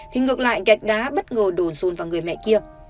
thì ngược lại gạch đá bất ngờ đồn run vào người mẹ kia